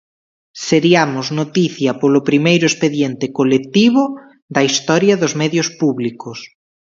Seriamos noticia polo primeiro expediente colectivo da historia dos medios públicos...